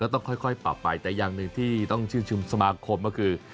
ต้องค่อยปรับไปแต่อย่างหนึ่งที่ต้องชื่นชมสมาคมก็คือ